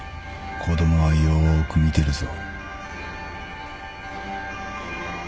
子供はよーく見てるぞ。